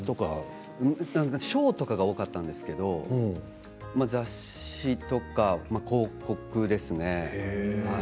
ショーとかが多かったんですけど雑誌とか広告ですね。